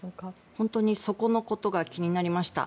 本当にそこのところが気になりました。